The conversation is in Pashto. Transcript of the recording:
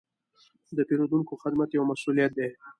د پیرودونکو خدمت یو مسوولیت دی.